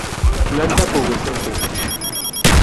Planta pubescentes.